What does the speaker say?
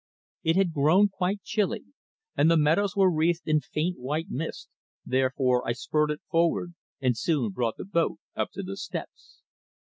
It had grown quite chilly, and the meadows were wreathed in faint white mist, therefore I spurted forward, and soon brought the boat up to the steps.